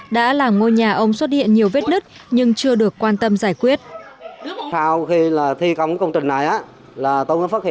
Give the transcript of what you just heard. đã làm ngôi nhà ông xuất hiện nhiều vết nứt nhưng chưa được quan tâm giải quyết